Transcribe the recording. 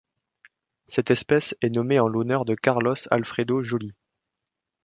Cette espèce est nommée en l'honneur de Carlos Alfredo Joly.